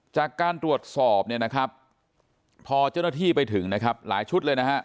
จากการตรวจสอบเนี่ยนะครับพอเจ้าหน้าที่ไปถึงนะครับหลายชุดเลยนะฮะ